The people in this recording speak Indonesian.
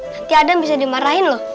nanti adam bisa dimarahin loh